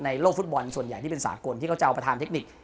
โลกฟุตบอลส่วนใหญ่ที่เป็นสากลที่เขาจะเอาประธานเทคนิค